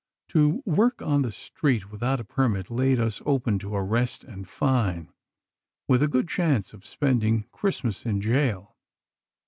To work on the street without a permit laid us open to arrest and fine, with a good chance of spending Christmas in jail.